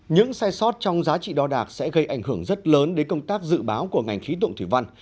những sai sót trong giá trị đo đạc sẽ gây ảnh hưởng rất lớn đến công tác dự báo của ngành khí tượng thủy văn